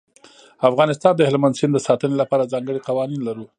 افغانستان د هلمند سیند د ساتنې لپاره ځانګړي قوانین لري.